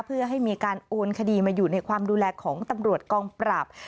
เพื่อให้มีการโอนคดีมาอยู่ในความดูแลของตำรวจกองปราบ